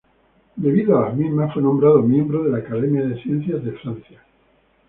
Debido a las mismas, fue nombrado miembro de la Academia de Ciencias de Francia.